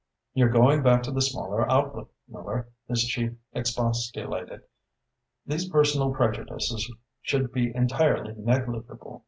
"You're going back to the smaller outlook, Miller," his chief expostulated. "These personal prejudices should be entirely negligible.